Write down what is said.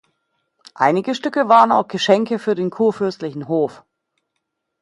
Einige Stücke waren auch Geschenke für den kurfürstlichen Hof.